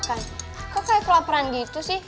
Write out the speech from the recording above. kok kayak kelaparan gitu sih dibanding gue sama ariel sih